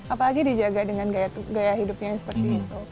apalagi dijaga dengan gaya hidupnya seperti itu